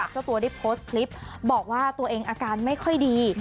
เจ้าตัวได้โพสต์คลิปบอกว่าตัวเองอาการไม่ค่อยดี